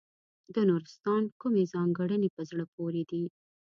د نورستان کومې ځانګړنې په زړه پورې دي.